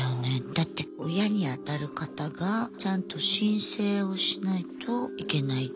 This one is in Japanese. だって親に当たる方がちゃんと申請をしないといけないこと。